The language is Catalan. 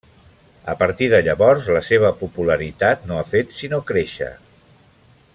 A partir de llavors la seva popularitat no ha fet sinó créixer.